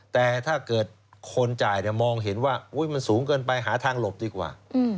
แต่ถ้าเกิดคนจ่ายมองเห็นว่ามันสูงเกินไปหาทางหลบดีกว่า